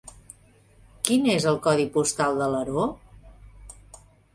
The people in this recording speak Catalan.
Quin és el codi postal d'Alaró?